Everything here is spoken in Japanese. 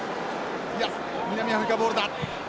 いや南アフリカボールだ。